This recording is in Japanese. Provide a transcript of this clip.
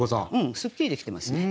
すっきりできてますね。